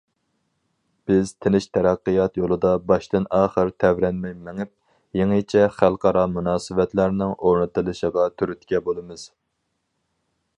بىز تىنچ تەرەققىيات يولىدا باشتىن- ئاخىر تەۋرەنمەي مېڭىپ، يېڭىچە خەلقئارا مۇناسىۋەتلەرنىڭ ئورنىتىلىشىغا تۈرتكە بولىمىز.